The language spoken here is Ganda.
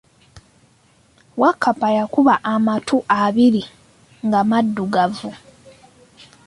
Wakkapa yakuba amattu abiri nga maddugavu.